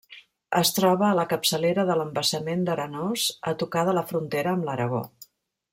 Es troba a la capçalera de l'embassament d'Arenós, a tocar de la frontera amb l'Aragó.